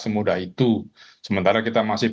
semudah itu sementara kita masih